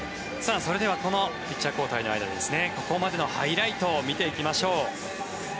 それではこのピッチャー交代の間にここまでのハイライトを見ていきましょう。